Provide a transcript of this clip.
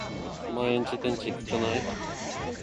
オマエんち天井低くない？